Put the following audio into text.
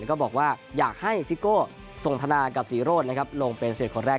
ก็บอกว่าอยากให้ซิโก้ส่งธนากับ๔โรนลงเป็นเสร็จคนแรก